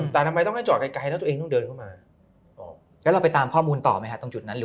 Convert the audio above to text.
ถ้ารีบเข้ามาช่วยวิวิวิววีแล้วเหมือนที่กับการจอด